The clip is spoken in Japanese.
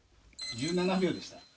１７秒でした。